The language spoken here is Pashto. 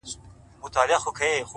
اراده د ستونزو تر ټولو لنډه لاره لنډوي،